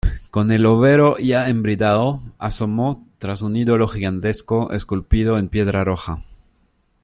con el overo ya embridado asomó tras un ídolo gigantesco esculpido en piedra roja.